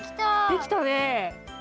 できたね。